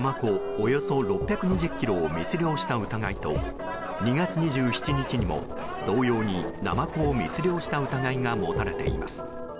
およそ６２０ｋｇを密漁した疑いと２月２７日にも同様にナマコを密漁した疑いが持たれています。